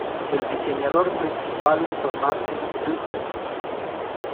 El diseñador principal fue Martin Kreutzer.